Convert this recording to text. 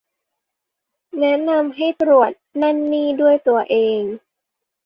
แนะนำให้ตรวจนั่นนี่ด้วยตัวเอง